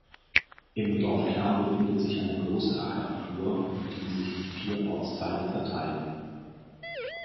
Im Dorfkern befindet sich eine große Ackerflur, um die sich die vier Ortsteile verteilen.